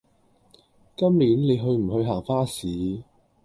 今年你去唔去行花市